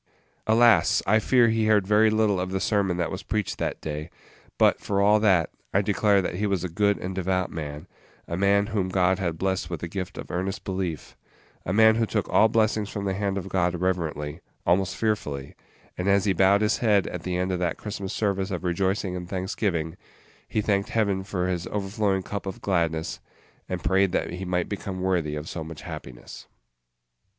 Alas! I fear he heard very little of the sermon that was preached that day; but, for all that, I declare that he was a good and devout man; a man whom God had blessed with the gift of earnest belief; a man who took all blessings from the hand of God reverently, almost fearfully; and as he bowed his head at the end of that Christmas service of rejoicing and thanksgiving, he thanked Heaven for his overflowing cup of gladness, and prayed that he might become worthy of so much happiness.